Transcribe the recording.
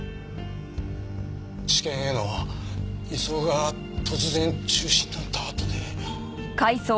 地検への移送が突然中止になったあとで。